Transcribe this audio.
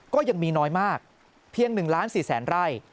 ก็ยังมีน้อยมากเพียงหนึ่งล้านสี่แสนไร่